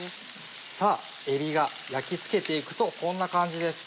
さぁえびが焼きつけて行くとこんな感じです。